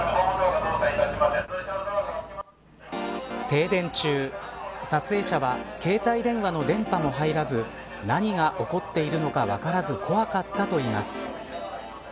停電中撮影者は携帯電話の電波も入らず何が起こっているのか分からず怖かったといいます。